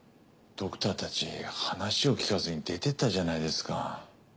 ドクターたち話を聞かずに出ていったじゃないですか。